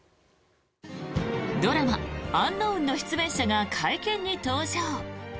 ドラマ「ｕｎｋｎｏｗｎ」の出演者が会見に登場。